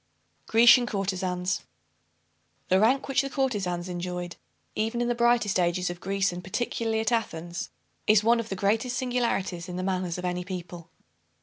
GRECIAN COURTEZANS. The rank which the courtezans enjoyed, even in the brightest ages of Greece, and particularly at Athens, is one of the greatest singularities in the manners of any people.